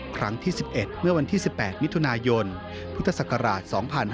ครั้งที่๑๑เมื่อวันที่๑๘มิถุนายนพุทธศักราช๒๕๕๙